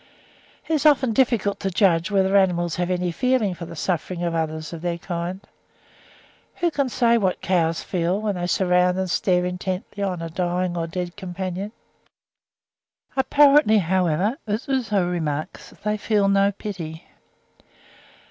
It is often difficult to judge whether animals have any feeling for the sufferings of others of their kind. Who can say what cows feel, when they surround and stare intently on a dying or dead companion; apparently, however, as Houzeau remarks, they feel no pity.